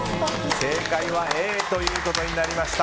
正解はＡということになりました。